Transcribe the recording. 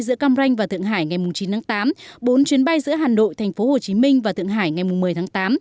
giữa cam ranh và thượng hải ngày chín tháng tám bốn chuyến bay giữa hà nội thành phố hồ chí minh và thượng hải ngày một mươi tháng tám